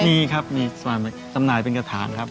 มีครับมีส่วนจำหน่ายเป็นกระถางครับ